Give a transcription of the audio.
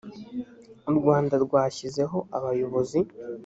urwanda rwashyizeho abayobozi.